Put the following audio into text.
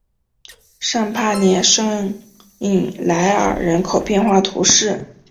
尚帕涅圣伊莱尔人口变化图示